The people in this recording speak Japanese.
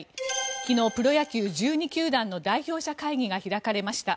昨日、プロ野球１２球団の代表者会議が開かれました。